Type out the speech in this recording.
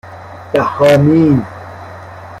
بَهامین